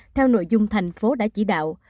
theo nội dung thành phố đã chỉ đạo